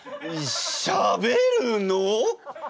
しゃべるの！？